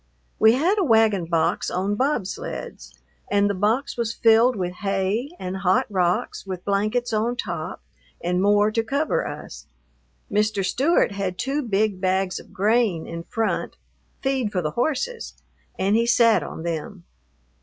We had a wagon box on bobsleds, and the box was filled with hay and hot rocks with blankets on top and more to cover us. Mr. Stewart had two big bags of grain in front, feed for the horses, and he sat on them.